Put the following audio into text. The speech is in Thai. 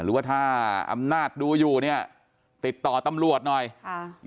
หรือว่าถ้าอำนาจดูอยู่เนี่ยติดต่อตำรวจหน่อยค่ะ